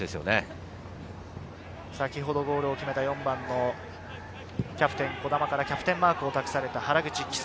ゴールを決めた４番キャプテン・児玉からキャプテンマークを託された原口玖星。